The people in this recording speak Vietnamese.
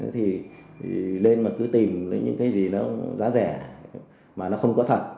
thì lên mà cứ tìm những cái gì đó giá rẻ mà nó không có thật